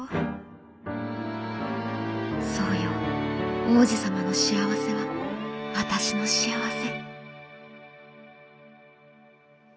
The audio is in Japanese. そうよ王子様の幸せはわたしの幸せ」。